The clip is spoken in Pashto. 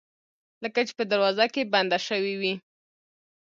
لکه چې په دروازه کې بنده شوې وي